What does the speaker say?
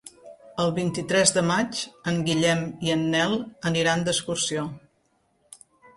El vint-i-tres de maig en Guillem i en Nel aniran d'excursió.